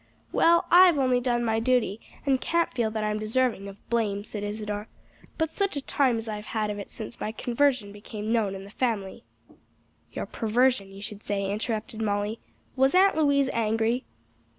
"Well I've only done my duty and can't feel that I'm deserving of blame," said Isadore. "But such a time as I've had of it since my conversion became known in the family!" "Your perversion, you should say," interrupted Molly. "Was Aunt Louise angry?"